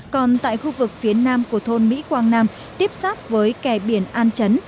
còn tại khu vực phía nam của thôn mỹ quang nam tiếp sát với kè biển an chấn